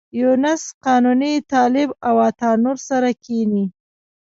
یونس قانوني، طالب او عطا نور سره کېني.